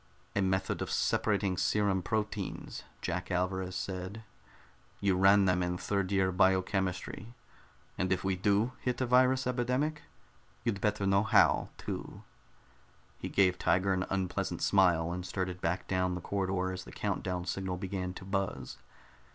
"A method of separating serum proteins," Jack Alvarez said. "You ran them in third year biochemistry. And if we do hit a virus epidemic, you'd better know how, too." He gave Tiger an unpleasant smile, and started back down the corridor as the count down signal began to buzz.